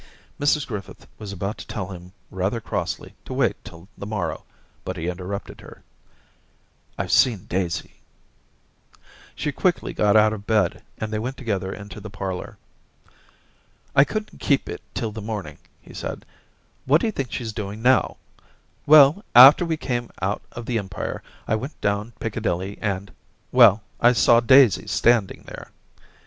Mrs Griffith was about to tell him rather crossly to wait till the morrow, but he interrupted her, —* I've seen Daisy.' She quickly got out of bed, and they went together into the parlour. * I couldn't keep it till the morning,' he said. ... 'What d'you think she's doing now } Well, after we came out of the Empire, I went down Piccadilly, and — well, I saw Daisy standing there* ...